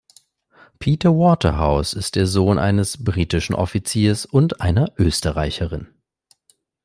Peter Waterhouse ist der Sohn eines britischen Offiziers und einer Österreicherin.